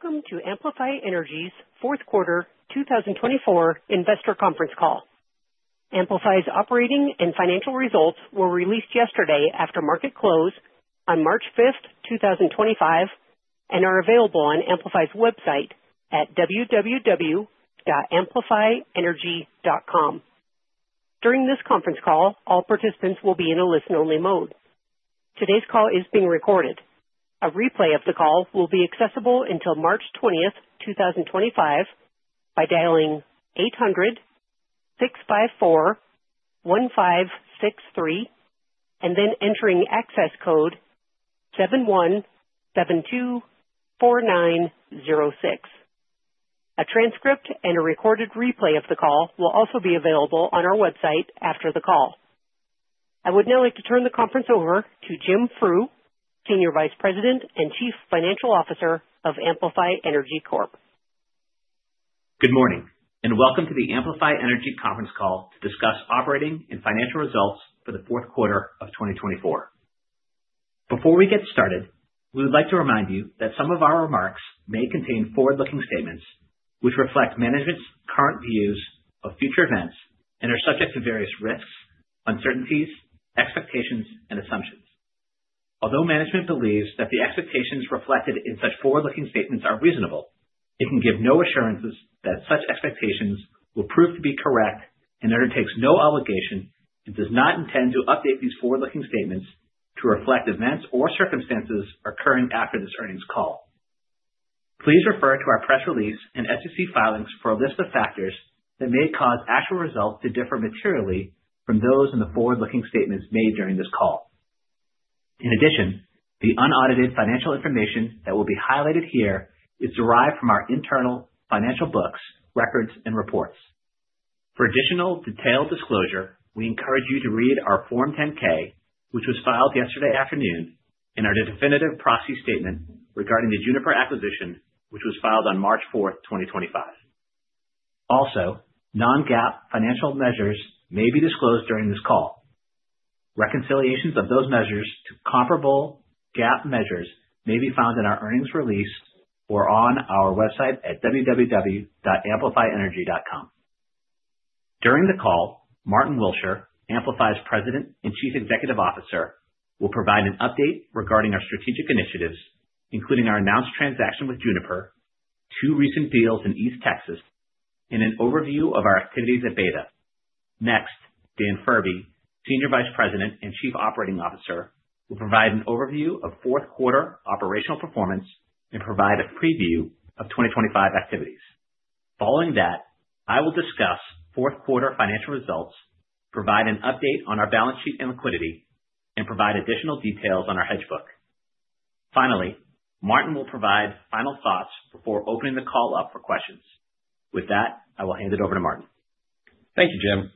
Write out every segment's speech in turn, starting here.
Welcome to Amplify Energy's fourth quarter 2024 investor conference call. Amplify's operating and financial results were released yesterday after market close on March 5th, 2025, and are available on Amplify's website at www.amplifyenergy.com. During this conference call, all participants will be in a listen-only mode. Today's call is being recorded. A replay of the call will be accessible until March 20th, 2025, by dialing 800-654-1563 and then entering access code 71724906. A transcript and a recorded replay of the call will also be available on our website after the call. I would now like to turn the conference over to Jim Frew, Senior Vice President and Chief Financial Officer of Amplify Energy. Good morning, and welcome to the Amplify Energy conference call to discuss operating and financial results for the fourth quarter of 2024. Before we get started, we would like to remind you that some of our remarks may contain forward-looking statements which reflect management's current views of future events and are subject to various risks, uncertainties, expectations, and assumptions. Although management believes that the expectations reflected in such forward-looking statements are reasonable, it can give no assurances that such expectations will prove to be correct and undertakes no obligation and does not intend to update these forward-looking statements to reflect events or circumstances occurring after this earnings call. Please refer to our press release and SEC filings for a list of factors that may cause actual results to differ materially from those in the forward-looking statements made during this call. In addition, the unaudited financial information that will be highlighted here is derived from our internal financial books, records, and reports. For additional detailed disclosure, we encourage you to read our Form 10-K, which was filed yesterday afternoon, and our definitive proxy statement regarding the Juniper acquisition, which was filed on March 4th, 2025. Also, non-GAAP financial measures may be disclosed during this call. Reconciliations of those measures to comparable GAAP measures may be found in our earnings release or on our website at www.amplifyenergy.com. During the call, Martyn Willsher, Amplify's President and Chief Executive Officer, will provide an update regarding our strategic initiatives, including our announced transaction with Juniper, two recent deals in East Texas, and an overview of our activities at Beta. Next, Dan Furbee, Senior Vice President and Chief Operating Officer, will provide an overview of fourth quarter operational performance and provide a preview of 2025 activities. Following that, I will discuss fourth quarter financial results, provide an update on our balance sheet and liquidity, and provide additional details on our hedge book. Finally, Martin will provide final thoughts before opening the call up for questions. With that, I will hand it over to Martin. Thank you, Jim.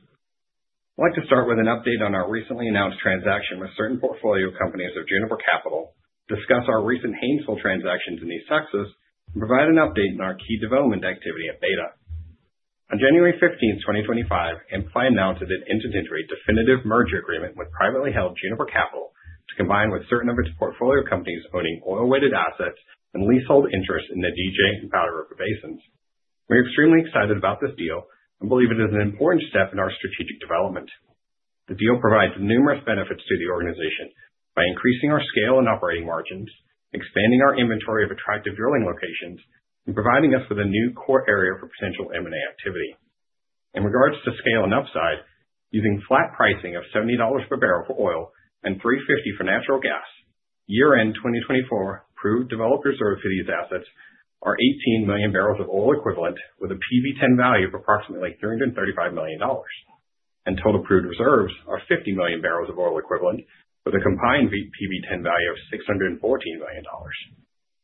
I'd like to start with an update on our recently announced transaction with certain portfolio companies of Juniper Capital, discuss our recent Haynesville transactions in East Texas, and provide an update on our key development activity at Beta. On January 15th, 2025, Amplify announced it had entered into a definitive merger agreement with privately held Juniper Capital to combine with certain of its portfolio companies owning oil-weighted assets and leasehold interests in the DJ and Powder River Basins. We are extremely excited about this deal and believe it is an important step in our strategic development. The deal provides numerous benefits to the organization by increasing our scale and operating margins, expanding our inventory of attractive drilling locations, and providing us with a new core area for potential M&A activity. In regards to scale and upside, using flat pricing of $70 per barrel for oil and $3.50 for natural gas, year-end 2024 proved developed reserves for these assets are 18 million barrels of oil equivalent with a PV10 value of approximately $335 million, and total proved reserves are 50 million barrels of oil equivalent with a combined PV10 value of $614 million.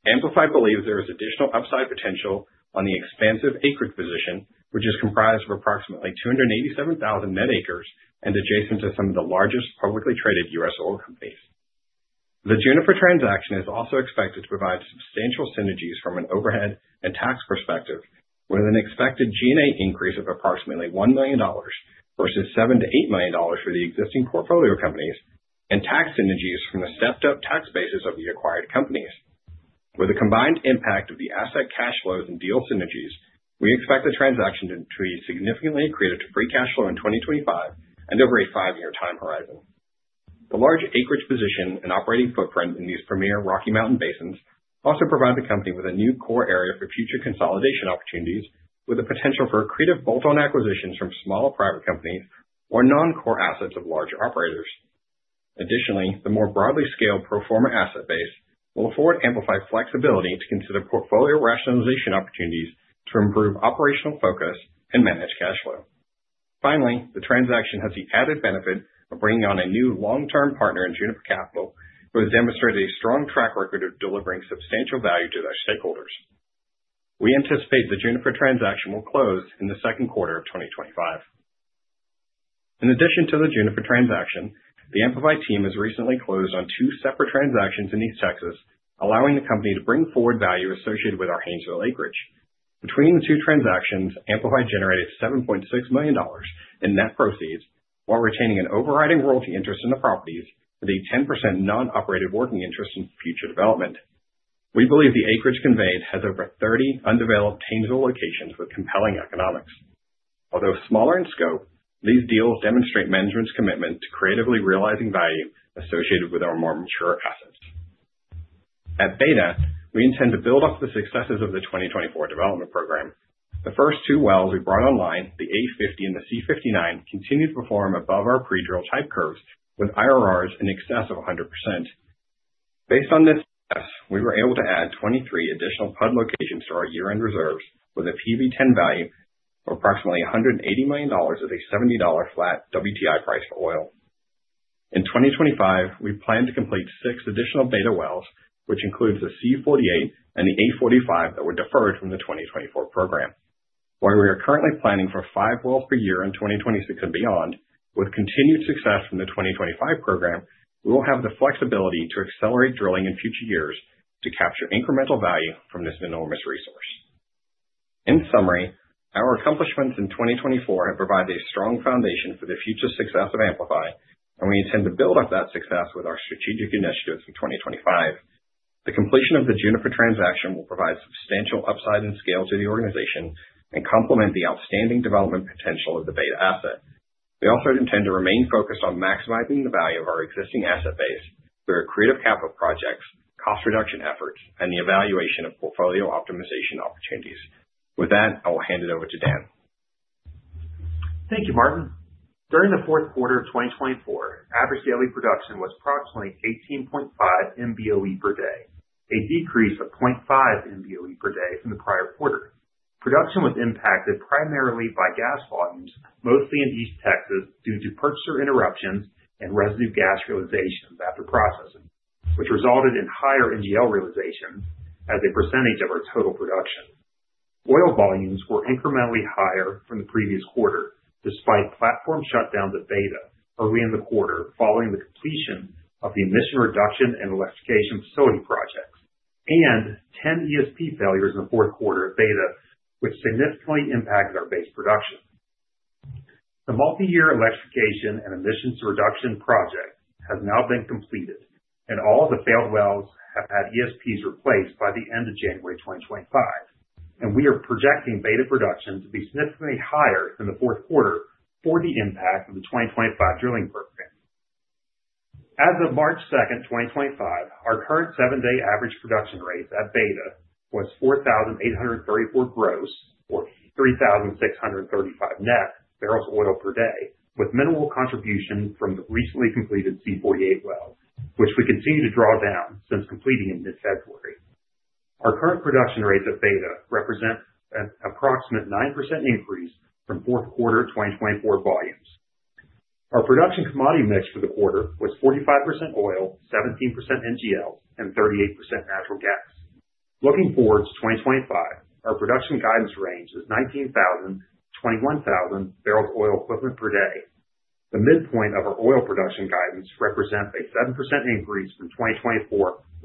Amplify believes there is additional upside potential on the expansive acreage position, which is comprised of approximately 287,000 net acres and adjacent to some of the largest publicly traded U.S. oil companies. The Juniper transaction is also expected to provide substantial synergies from an overhead and tax perspective, with an expected G&A increase of approximately $1 million versus $7-8 million for the existing portfolio companies and tax synergies from the stepped-up tax basis of the acquired companies. With the combined impact of the asset cash flows and deal synergies, we expect the transaction to increase significantly accreted to free cash flow in 2025 and over a five-year time horizon. The large acreage position and operating footprint in these premier Rocky Mountain Basins also provide the company with a new core area for future consolidation opportunities, with the potential for accretive bolt-on acquisitions from smaller private companies or non-core assets of large operators. Additionally, the more broadly scaled pro forma asset base will afford Amplify flexibility to consider portfolio rationalization opportunities to improve operational focus and manage cash flow. Finally, the transaction has the added benefit of bringing on a new long-term partner in Juniper Capital, who has demonstrated a strong track record of delivering substantial value to their stakeholders. We anticipate the Juniper transaction will close in the second quarter of 2025. In addition to the Juniper transaction, the Amplify team has recently closed on two separate transactions in East Texas, allowing the company to bring forward value associated with our Haynesville acreage. Between the two transactions, Amplify generated $7.6 million in net proceeds while retaining an overriding royalty interest in the properties with a 10% non-operated working interest in future development. We believe the acreage conveyed has over 30 undeveloped Haynesville locations with compelling economics. Although smaller in scope, these deals demonstrate management's commitment to creatively realizing value associated with our more mature assets. At Beta, we intend to build off the successes of the 2024 development program. The first two wells we brought online, the A50 and the C59, continue to perform above our pre-drill type curves with IRRs in excess of 100%. Based on this success, we were able to add 23 additional PUD locations to our year-end reserves with a PV10 value of approximately $180 million at a $70 flat WTI price for oil. In 2025, we plan to complete six additional Beta wells, which includes the C48 and the A45 that were deferred from the 2024 program. While we are currently planning for five wells per year in 2026 and beyond, with continued success from the 2025 program, we will have the flexibility to accelerate drilling in future years to capture incremental value from this enormous resource. In summary, our accomplishments in 2024 have provided a strong foundation for the future success of Amplify, and we intend to build up that success with our strategic initiatives in 2025. The completion of the Juniper transaction will provide substantial upside in scale to the organization and complement the outstanding development potential of the Beta asset. We also intend to remain focused on maximizing the value of our existing asset base through accretive capital projects, cost reduction efforts, and the evaluation of portfolio optimization opportunities. With that, I will hand it over to Dan. Thank you, Martin. During the fourth quarter of 2024, average daily production was approximately 18.5 MBOE per day, a decrease of 0.5 MBOE per day from the prior quarter. Production was impacted primarily by gas volumes, mostly in East Texas, due to purchaser interruptions and residue gas realizations after processing, which resulted in higher NGL realizations as a percentage of our total production. Oil volumes were incrementally higher from the previous quarter, despite platform shutdowns at Beta early in the quarter following the completion of the emission reduction and electrification facility projects, and 10 ESP failures in the fourth quarter at Beta, which significantly impacted our base production. The multi-year electrification and emissions reduction project has now been completed, and all of the failed wells have had ESPs replaced by the end of January 2025, and we are projecting Beta production to be significantly higher than the fourth quarter for the impact of the 2025 drilling program. As of March 2, 2025, our current seven-day average production rate at Beta was 4,834 gross or 3,635 net barrels of oil per day, with minimal contribution from the recently completed C48 well, which we continue to draw down since completing it in February. Our current production rates at Beta represent an approximate 9% increase from fourth quarter 2024 volumes. Our production commodity mix for the quarter was 45% oil, 17% NGL, and 38% natural gas. Looking forward to 2025, our production guidance range is 19,000-21,000 barrels of oil equivalent per day. The midpoint of our oil production guidance represents a 7% increase from 2024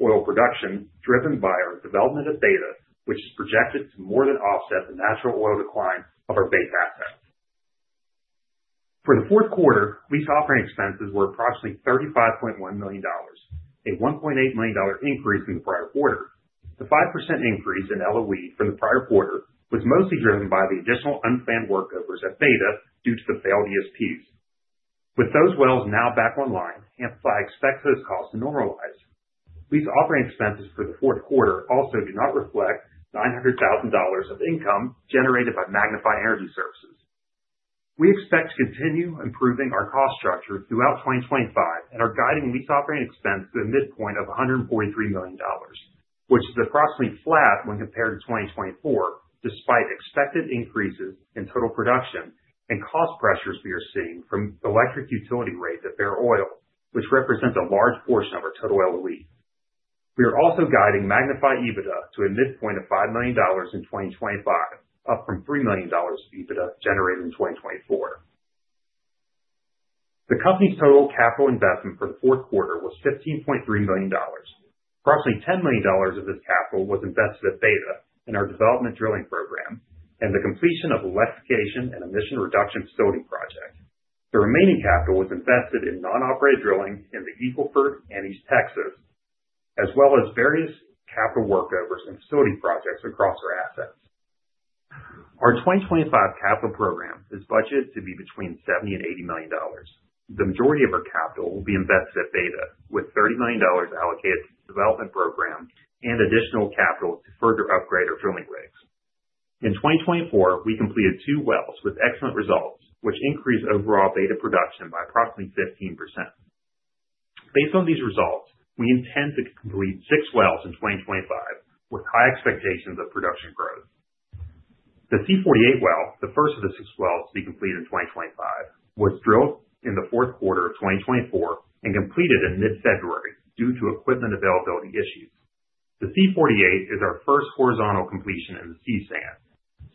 oil production driven by our development at Beta, which is projected to more than offset the natural oil decline of our Beta asset. For the fourth quarter, lease operating expenses were approximately $35.1 million, a $1.8 million increase from the prior quarter. The 5% increase in LOE from the prior quarter was mostly driven by the additional unplanned workovers at Beta due to the failed ESPs. With those wells now back online, Amplify expects those costs to normalize. Lease operating expenses for the fourth quarter also do not reflect $900,000 of income generated by Magnify Energy Services. We expect to continue improving our cost structure throughout 2025 and are guiding lease operating expenses to the midpoint of $143 million, which is approximately flat when compared to 2024, despite expected increases in total production and cost pressures we are seeing from electric utility rates at Bear oil, which represents a large portion of our total LOE. We are also guiding Magnify EBITDA to a midpoint of $5 million in 2025, up from $3 million of EBITDA generated in 2024. The company's total capital investment for the fourth quarter was $15.3 million. Approximately $10 million of this capital was invested at Beta in our development drilling program and the completion of the electrification and emission reduction facility project. The remaining capital was invested in non-operated drilling in the Eagleford and East Texas, as well as various capital workovers and facility projects across our assets. Our 2025 capital program is budgeted to be between $70 million and $80 million. The majority of our capital will be invested at Beta, with $30 million allocated to the development program and additional capital to further upgrade our drilling rigs. In 2024, we completed two wells with excellent results, which increased overall Beta production by approximately 15%. Based on these results, we intend to complete six wells in 2025 with high expectations of production growth. The C48 well, the first of the six wells to be completed in 2025, was drilled in the fourth quarter of 2024 and completed in mid-February due to equipment availability issues. The C48 is our first horizontal completion in the C sand.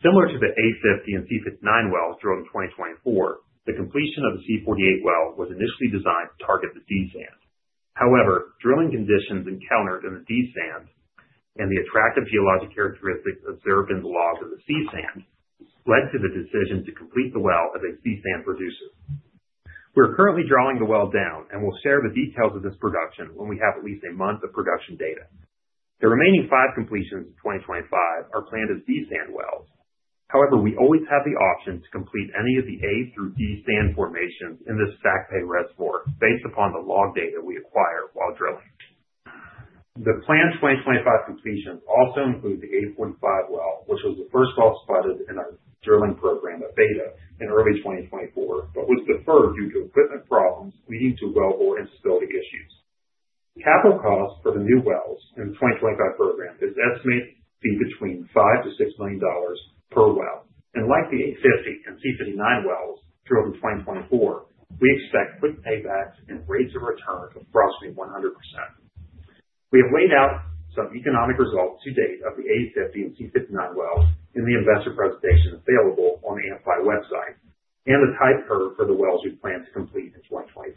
Similar to the A50 and C59 wells drilled in 2024, the completion of the C48 well was initially designed to target the D sand. However, drilling conditions encountered in the D sand and the attractive geologic characteristics observed in the logs of the C sand led to the decision to complete the well as a C sand producer. We are currently drawing the well down and will share the details of this production when we have at least a month of production data. The remaining five completions in 2025 are planned as D sand wells. However, we always have the option to complete any of the A through D sand formations in this SACPAY reservoir based upon the log data we acquire while drilling. The planned 2025 completions also include the A45 well, which was the first well spotted in our drilling program at Beta in early 2024, but was deferred due to equipment problems leading to wellbore instability issues. Capital costs for the new wells in the 2025 program is estimated to be between $5-$6 million per well. Like the A50 and C59 wells drilled in 2024, we expect quick paybacks and rates of return of approximately 100%. We have laid out some economic results to date of the A50 and C59 wells in the investor presentation available on the Amplify website and the type curve for the wells we plan to complete in 2025.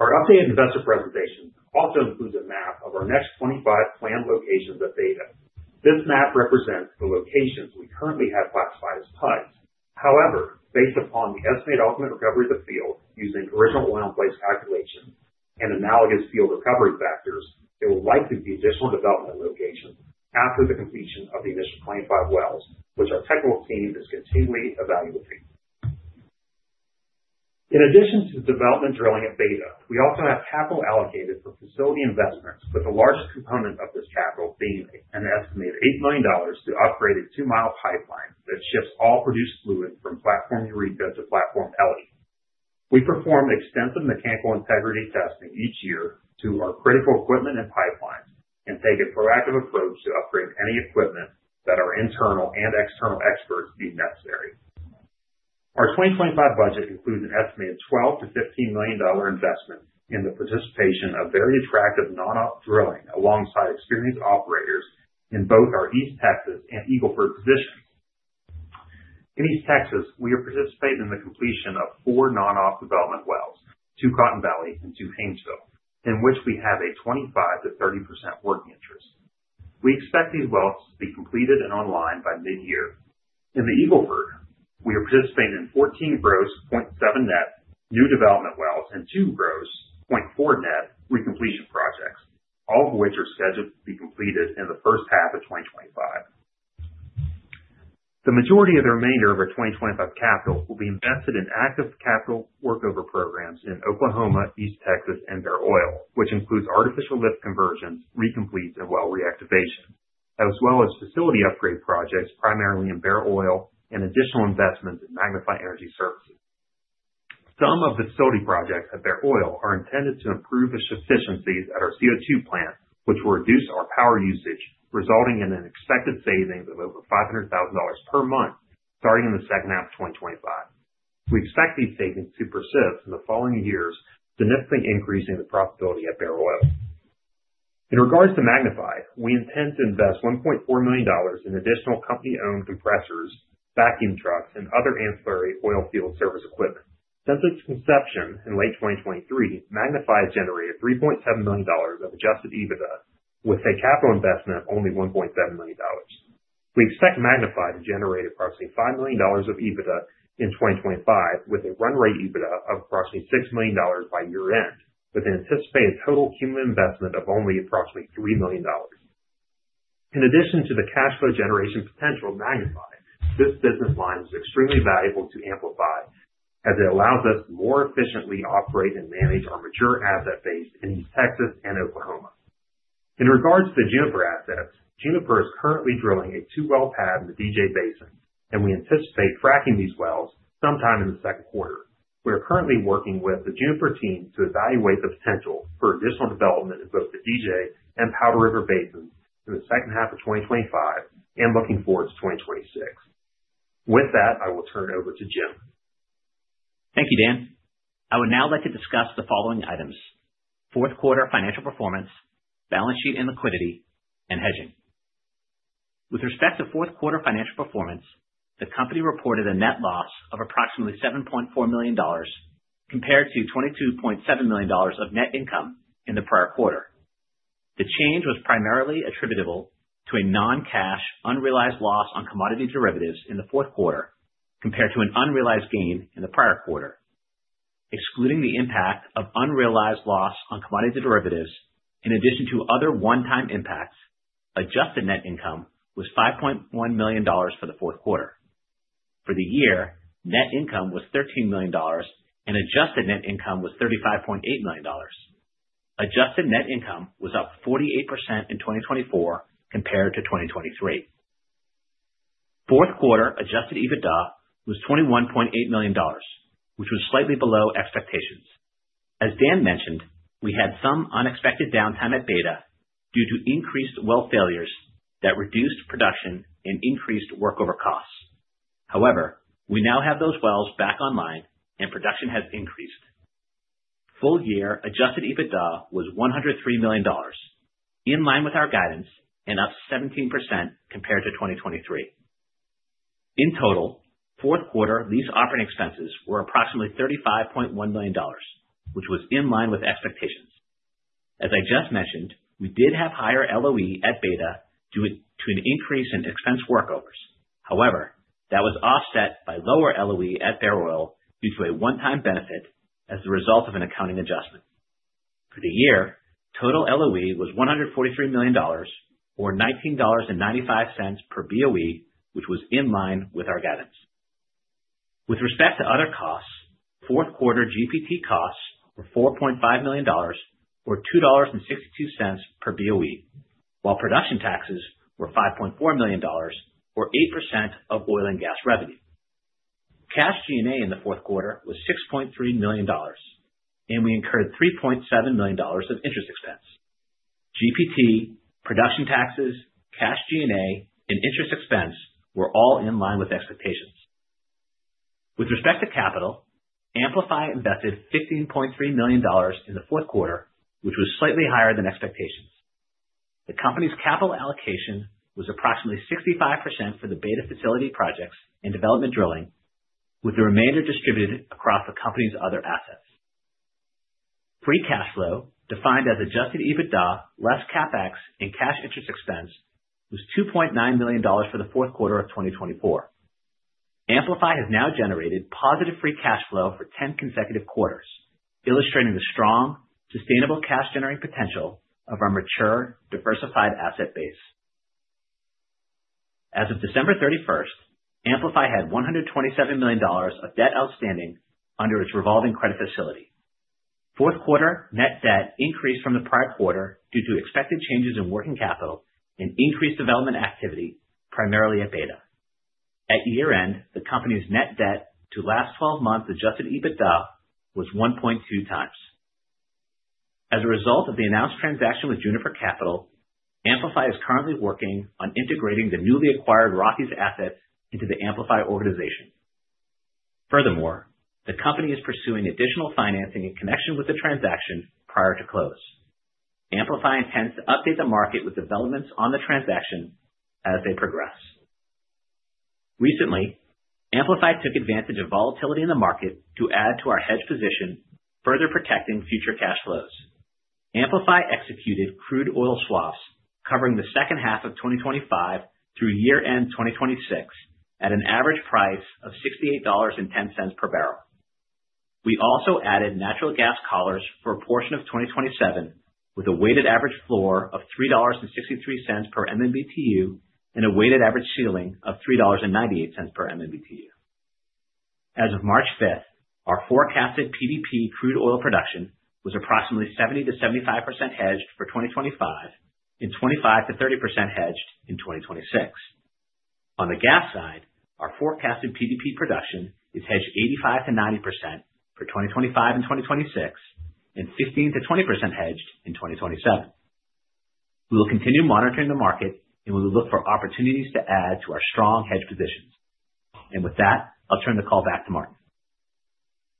Our updated investor presentation also includes a map of our next 25 planned locations at Beta. This map represents the locations we currently have classified as PUDs. However, based upon the estimated ultimate recovery of the field using original oil in place calculations and analogous field recovery factors, there will likely be additional development locations after the completion of the initial 25 wells, which our technical team is continually evaluating. In addition to the development drilling at Beta, we also have capital allocated for facility investments, with the largest component of this capital being an estimated $8 million to upgrade a two-mile pipeline that ships all produced fluid from platform Eureka to platform Elly. We perform extensive mechanical integrity testing each year to our critical equipment and pipelines and take a proactive approach to upgrade any equipment that our internal and external experts deem necessary. Our 2025 budget includes an estimated $12-$15 million investment in the participation of very attractive non-op drilling alongside experienced operators in both our East Texas and Eagleford positions. In East Texas, we are participating in the completion of four non-op development wells, two Cotton Valley and two Haynesville, in which we have a 25%-30% working interest. We expect these wells to be completed and online by mid-year. In the Eagleford, we are participating in 14 gross, 0.7 net new development wells and two gross, 0.4 net recompletion projects, all of which are scheduled to be completed in the first half of 2025. The majority of the remainder of our 2025 capital will be invested in active capital workover programs in Oklahoma, East Texas, and Bear Oil, which includes artificial lift conversions, recompletes, and well reactivation, as well as facility upgrade projects primarily in Bear Oil and additional investments in Magnify Energy Services. Some of the facility projects at Bear Oil are intended to improve the efficiencies at our CO2 plants, which will reduce our power usage, resulting in an expected savings of over $500,000 per month starting in the second half of 2025. We expect these savings to persist in the following years, significantly increasing the profitability at Bear Oil. In regards to Magnify, we intend to invest $1.4 million in additional company-owned compressors, vacuum trucks, and other ancillary oil field service equipment. Since its inception in late 2023, Magnify has generated $3.7 million of adjusted EBITDA, with a capital investment of only $1.7 million. We expect Magnify to generate approximately $5 million of EBITDA in 2025, with a run rate EBITDA of approximately $6 million by year-end, with an anticipated total cumulative investment of only approximately $3 million. In addition to the cash flow generation potential of Magnify, this business line is extremely valuable to Amplify, as it allows us to more efficiently operate and manage our mature asset base in East Texas and Oklahoma. In regards to the Juniper assets, Juniper is currently drilling a two-well pad in the DJ Basin, and we anticipate fracking these wells sometime in the second quarter. We are currently working with the Juniper team to evaluate the potential for additional development in both the DJ and Powder River Basin in the second half of 2025 and looking forward to 2026. With that, I will turn it over to Jim. Thank you, Dan. I would now like to discuss the following items: fourth quarter financial performance, balance sheet and liquidity, and hedging. With respect to fourth quarter financial performance, the company reported a net loss of approximately $7.4 million compared to $22.7 million of net income in the prior quarter. The change was primarily attributable to a non-cash unrealized loss on commodity derivatives in the fourth quarter compared to an unrealized gain in the prior quarter. Excluding the impact of unrealized loss on commodity derivatives, in addition to other one-time impacts, adjusted net income was $5.1 million for the fourth quarter. For the year, net income was $13 million, and adjusted net income was $35.8 million. Adjusted net income was up 48% in 2024 compared to 2023. Fourth quarter adjusted EBITDA was $21.8 million, which was slightly below expectations. As Dan mentioned, we had some unexpected downtime at Beta due to increased well failures that reduced production and increased workover costs. However, we now have those wells back online, and production has increased. Full year adjusted EBITDA was $103 million, in line with our guidance and up 17% compared to 2023. In total, fourth quarter lease operating expenses were approximately $35.1 million, which was in line with expectations. As I just mentioned, we did have higher LOE at Beta due to an increase in expense workovers. However, that was offset by lower LOE at Bear Oil due to a one-time benefit as the result of an accounting adjustment. For the year, total LOE was $143 million, or $19.95 per BOE, which was in line with our guidance. With respect to other costs, fourth quarter GPT costs were $4.5 million, or $2.62 per BOE, while production taxes were $5.4 million, or 8% of oil and gas revenue. Cash G&A in the fourth quarter was $6.3 million, and we incurred $3.7 million of interest expense. GPT, production taxes, cash G&A, and interest expense were all in line with expectations. With respect to capital, Amplify invested $15.3 million in the fourth quarter, which was slightly higher than expectations. The company's capital allocation was approximately 65% for the Beta facility projects and development drilling, with the remainder distributed across the company's other assets. Free cash flow, defined as adjusted EBITDA less CapEx and cash interest expense, was $2.9 million for the fourth quarter of 2024. Amplify has now generated positive free cash flow for 10 consecutive quarters, illustrating the strong, sustainable cash-generating potential of our mature, diversified asset base. As of December 31, Amplify had $127 million of debt outstanding under its revolving credit facility. Fourth quarter net debt increased from the prior quarter due to expected changes in working capital and increased development activity, primarily at Beta. At year-end, the company's net debt to last 12 months adjusted EBITDA was 1.2 times. As a result of the announced transaction with Juniper Capital, Amplify is currently working on integrating the newly acquired Rockies assets into the Amplify organization. Furthermore, the company is pursuing additional financing in connection with the transaction prior to close. Amplify intends to update the market with developments on the transaction as they progress. Recently, Amplify took advantage of volatility in the market to add to our hedge position, further protecting future cash flows. Amplify executed crude oil swaps covering the second half of 2025 through year-end 2026 at an average price of $68.10 per barrel. We also added natural gas collars for a portion of 2027, with a weighted average floor of $3.63 per MMBTU and a weighted average ceiling of $3.98 per MMBTU. As of March 5th, our forecasted PDP crude oil production was approximately 70-75% hedged for 2025 and 25-30% hedged in 2026. On the gas side, our forecasted PDP production is hedged 85-90% for 2025 and 2026 and 15-20% hedged in 2027. We will continue monitoring the market, and we will look for opportunities to add to our strong hedge positions. With that, I'll turn the call back to Martyn.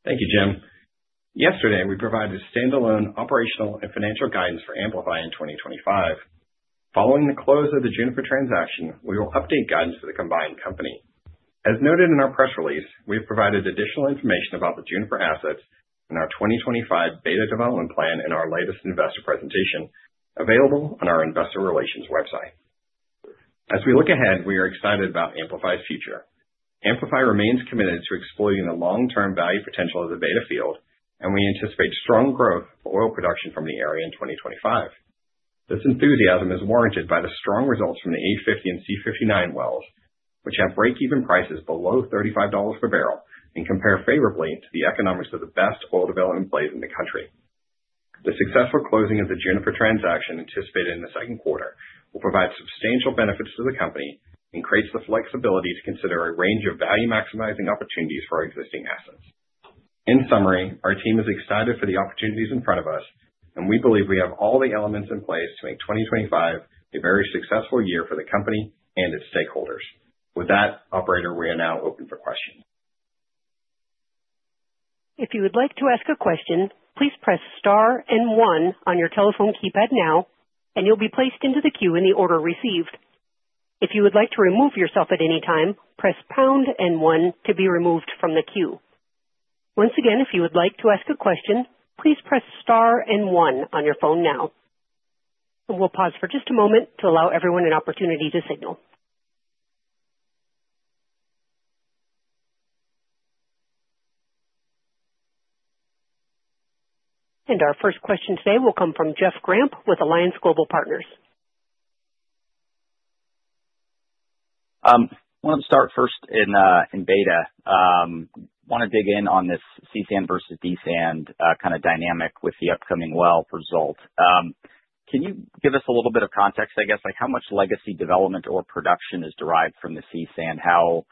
Thank you, Jim. Yesterday, we provided standalone operational and financial guidance for Amplify in 2025. Following the close of the Juniper transaction, we will update guidance for the combined company. As noted in our press release, we have provided additional information about the Juniper assets in our 2025 Beta development plan and our latest investor presentation available on our investor relations website. As we look ahead, we are excited about Amplify's future. Amplify remains committed to exploiting the long-term value potential of the Beta field, and we anticipate strong growth for oil production from the area in 2025. This enthusiasm is warranted by the strong results from the A50 and C59 wells, which have break-even prices below $35 per barrel and compare favorably to the economics of the best oil development plays in the country. The successful closing of the Juniper transaction anticipated in the second quarter will provide substantial benefits to the company and creates the flexibility to consider a range of value-maximizing opportunities for our existing assets. In summary, our team is excited for the opportunities in front of us, and we believe we have all the elements in place to make 2025 a very successful year for the company and its stakeholders. With that, Operator, we are now open for questions. If you would like to ask a question, please press Star and One on your telephone keypad now, and you'll be placed into the queue in the order received. If you would like to remove yourself at any time, press Pound and One to be removed from the queue. Once again, if you would like to ask a question, please press Star and One on your phone now. We'll pause for just a moment to allow everyone an opportunity to signal. Our first question today will come from Jeff Grampp with Alliance Global Partners. I want to start first in Beta. I want to dig in on this CSAN versus DSAND kind of dynamic with the upcoming well result. Can you give us a little bit of context, I guess, like how much legacy development or production is derived from the CSAN? How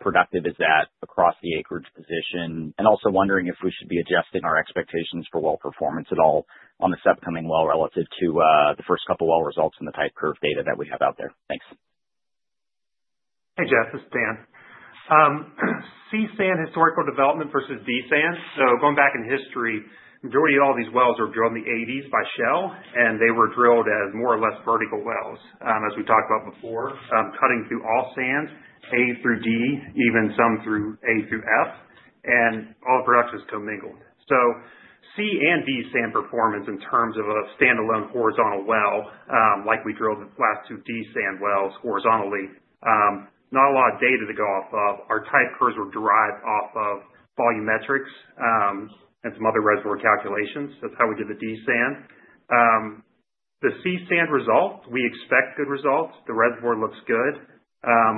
productive is that across the acreage position? Also wondering if we should be adjusting our expectations for well performance at all on this upcoming well relative to the first couple of well results and the type curve data that we have out there. Thanks. Hey, Jeff. This is Dan. CSAN historical development versus DSAND. Going back in history, the majority of all these wells were drilled in the 1980s by Shell, and they were drilled as more or less vertical wells, as we talked about before, cutting through all sands, A through D, even some through A through F, and all the production is comingled. CSAN and DSAND performance in terms of a standalone horizontal well, like we drilled the last two DSAND wells horizontally, not a lot of data to go off of. Our type curves were derived off of volumetrics and some other reservoir calculations. That's how we did the DSAND. The CSAN result, we expect good results. The reservoir looks good.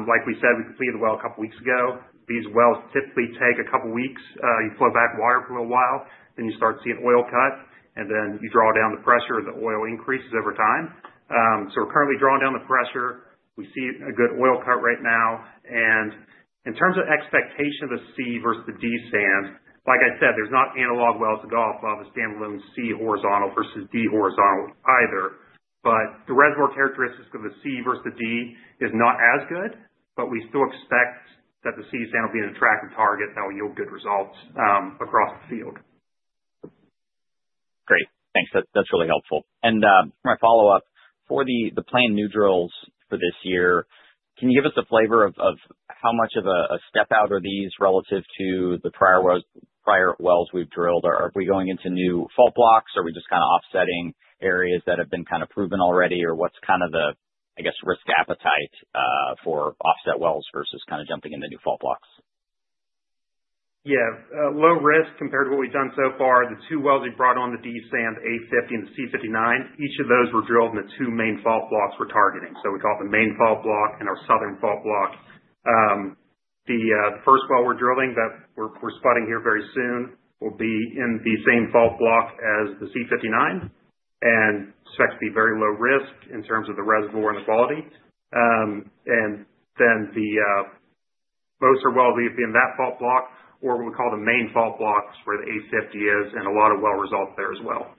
Like we said, we completed the well a couple of weeks ago. These wells typically take a couple of weeks. You flow back water for a little while, then you start seeing oil cuts, and then you draw down the pressure, and the oil increases over time. We're currently drawing down the pressure. We see a good oil cut right now. In terms of expectation of the C versus the D sand, like I said, there's not analog wells to go off of a standalone C horizontal versus D horizontal either. The reservoir characteristics of the C versus the D is not as good, but we still expect that the C sand will be an attractive target that will yield good results across the field. Great. Thanks. That's really helpful. My follow-up for the planned new drills for this year, can you give us a flavor of how much of a step out are these relative to the prior wells we've drilled? Are we going into new fault blocks? Are we just kind of offsetting areas that have been kind of proven already? What's kind of the, I guess, risk appetite for offset wells versus kind of jumping into new fault blocks? Yeah. Low risk compared to what we've done so far. The two wells we brought on the DSAN, the A50 and the C59, each of those were drilled in the two main fault blocks we're targeting. We call it the main fault block and our southern fault block. The first well we're drilling that we're spotting here very soon will be in the same fault block as the C59 and expect to be very low risk in terms of the reservoir and the quality. The most are wells that will be in that fault block, or what we call the main fault blocks, where the A50 is, and a lot of well results there as well.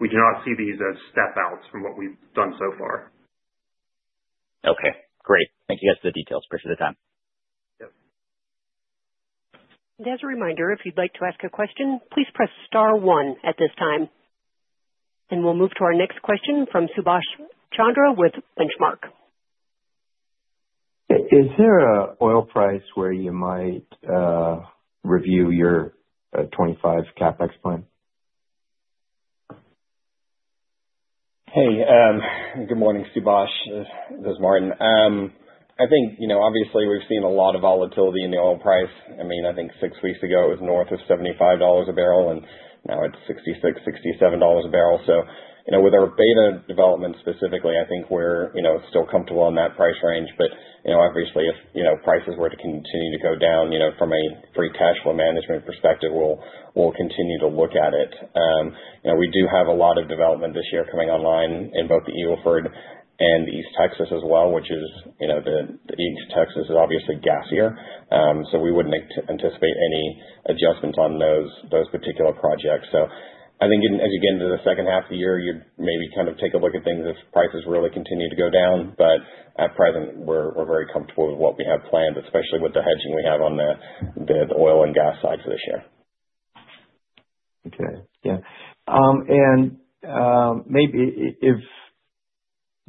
We do not see these as step outs from what we've done so far. Okay. Great. Thank you guys for the details. Appreciate the time. Yep. As a reminder, if you'd like to ask a question, please press Star One at this time. We will move to our next question from Subash Chandra with Benchmark. Is there an oil price where you might review your 2025 CapEx plan? Hey. Good morning, Subash. This is Martyn. I think, obviously, we've seen a lot of volatility in the oil price. I mean, I think six weeks ago, it was north of $75 a barrel, and now it's $66-$67 a barrel. With our Beta development specifically, I think we're still comfortable in that price range. Obviously, if prices were to continue to go down from a free cash flow management perspective, we'll continue to look at it. We do have a lot of development this year coming online in both the Eagle Ford and East Texas as well, which is the East Texas is obviously gassier. We wouldn't anticipate any adjustments on those particular projects. I think as you get into the second half of the year, you'd maybe kind of take a look at things if prices really continue to go down. But at present, we're very comfortable with what we have planned, especially with the hedging we have on the oil and gas sides this year. Okay. Yeah.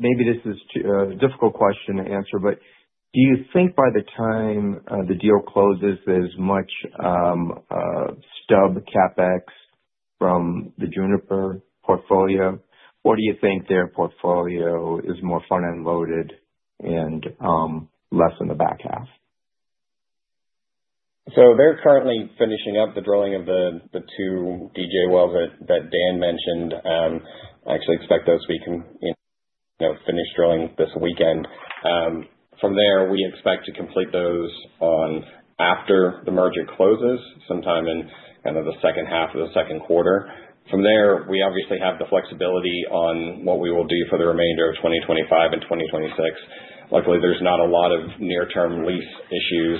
Maybe this is a difficult question to answer, but do you think by the time the deal closes, there's much stub Capex from the Juniper portfolio, or do you think their portfolio is more front-end loaded and less in the back half? They're currently finishing up the drilling of the two DJ wells that Dan mentioned. I actually expect those to be finished drilling this weekend. From there, we expect to complete those after the merger closes, sometime in kind of the second half of the second quarter. From there, we obviously have the flexibility on what we will do for the remainder of 2025 and 2026. Luckily, there's not a lot of near-term lease issues,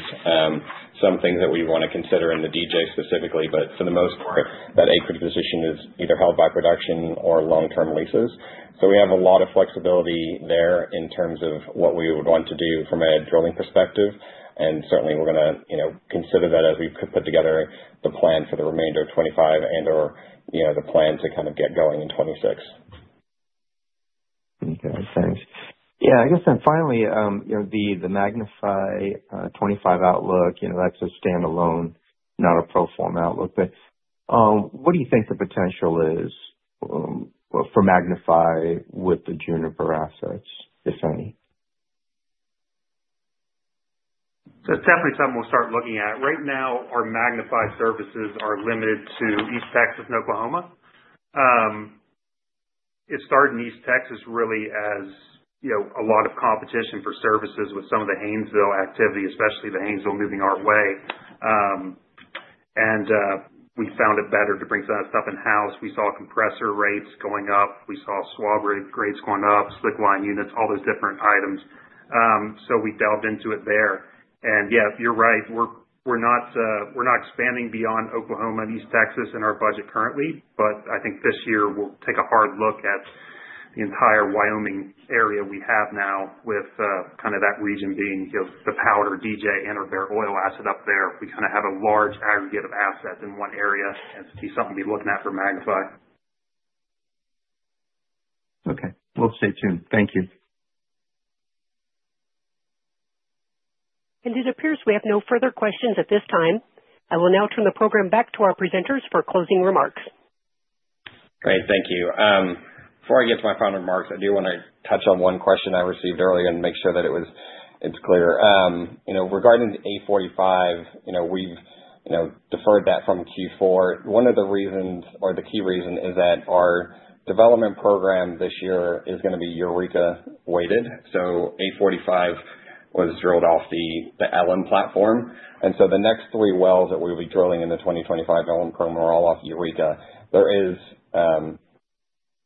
some things that we want to consider in the DJ specifically. For the most part, that acreage position is either held by production or long-term leases. We have a lot of flexibility there in terms of what we would want to do from a drilling perspective. Certainly, we're going to consider that as we put together the plan for the remainder of 2025 and/or the plan to kind of get going in 2026. Okay. Thanks. Yeah. I guess then finally, the Magnify '25 outlook, that's a standalone, not a pro forma outlook. But what do you think the potential is for Magnify with the Juniper assets, if any? It is definitely something we'll start looking at. Right now, our Magnify services are limited to East Texas and Oklahoma. It started in East Texas really as a lot of competition for services with some of the Haynesville activity, especially the Haynesville moving our way. We found it better to bring some of that stuff in-house. We saw compressor rates going up. We saw swab rates going up, slick line units, all those different items. We delved into it there. Yeah, you're right. We're not expanding beyond Oklahoma and East Texas in our budget currently. I think this year, we'll take a hard look at the entire Wyoming area we have now with kind of that region being the Powder, DJ, and/or Bear Oil asset up there. We kind of have a large aggregate of assets in one area. That's something to be looking at for Magnify. Okay. We'll stay tuned. Thank you. It appears we have no further questions at this time. I will now turn the program back to our presenters for closing remarks. Great. Thank you. Before I get to my final remarks, I do want to touch on one question I received earlier and make sure that it's clear. Regarding the A45, we've deferred that from Q4. One of the reasons, or the key reason, is that our development program this year is going to be Eureka weighted. A45 was drilled off the Ellen platform. The next three wells that we will be drilling in the 2025 Ellen program are all off Eureka.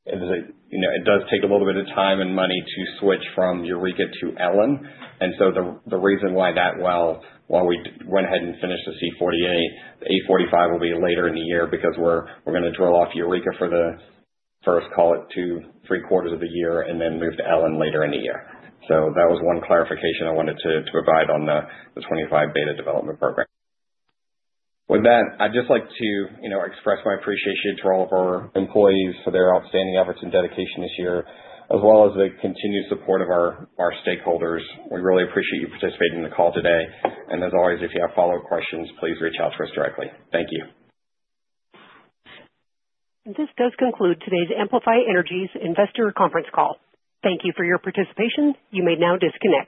It does take a little bit of time and money to switch from Eureka to Ellen. The reason why that well, while we went ahead and finished the C48, the A45 will be later in the year is because we're going to drill off Eureka for the first, call it, two, three quarters of the year and then move to Ellen later in the year. That was one clarification I wanted to provide on the '25 Beta development program. With that, I'd just like to express my appreciation to all of our employees for their outstanding efforts and dedication this year, as well as the continued support of our stakeholders. We really appreciate you participating in the call today. As always, if you have follow-up questions, please reach out to us directly. Thank you. This does conclude today's Amplify Energy's investor conference call. Thank you for your participation. You may now disconnect.